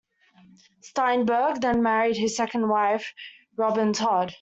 Steinberg then married his second wife, Robyn Todd.